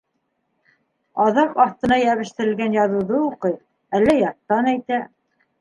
Аҙаҡ аҫтына йәбештерелгән яҙыуҙы уҡый, әллә яттан әйтә.